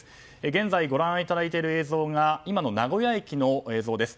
現在、ご覧いただいている映像が今の名古屋駅の映像です。